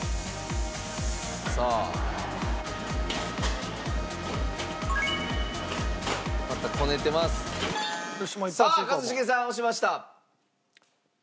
さあ一茂さん押しました。